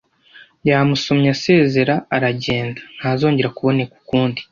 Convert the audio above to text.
Yamusomye asezera aragenda, ntazongera kuboneka ukundi.